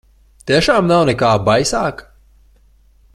Tiešām nav nekā baisāka?